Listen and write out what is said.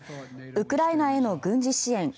ウクライナへの軍事支援